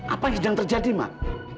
apa yang sedang terjadi mbak